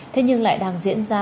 thế nhưng lại đang diễn ra